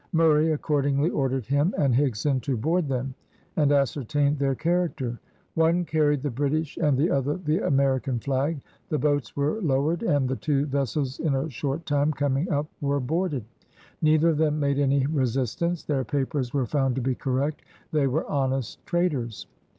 Murray accordingly ordered him and Higson to board them, and ascertain their character. One carried the British and the other the American flag. The boats were lowered and the two vessels in a short time coming up were boarded. Neither of them made any resistance. Their papers were found to be correct they were honest traders.